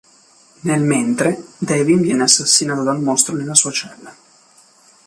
Nel mentre, Devin viene assassinato dal mostro nella sua cella.